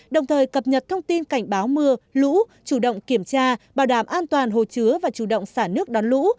đồng thời cập nhật thông tin cảnh báo mưa lũ chủ động kiểm tra bảo đảm an toàn hồ chứa và chủ động xả nước đón lũ